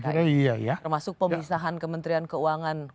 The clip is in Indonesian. termasuk pemisahan kementerian keuangan